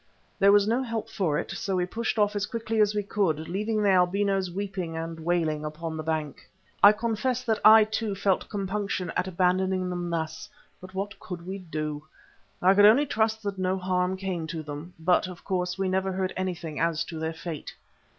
But there was no help for it, so we pushed off as quickly as we could, leaving the albinos weeping and wailing upon the bank. I confess that I, too, felt compunction at abandoning them thus, but what could we do? I only trust that no harm came to them, but of course we never heard anything as to their fate.